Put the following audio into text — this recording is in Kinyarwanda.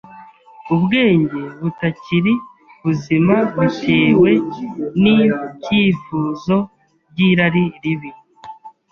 ’ubwenge butakiri buzima bitewe n’ibyifuzo by’irari ribi